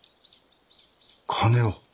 金を？